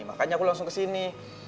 makanya aku langsung ke sini